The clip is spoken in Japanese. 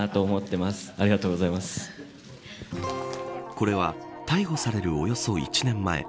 これは逮捕されるおよそ１年前。